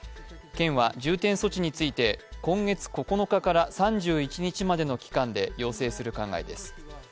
県は重点措置について、今月９日から３１日までの期間で要請する考えです。